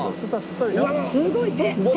すごい手。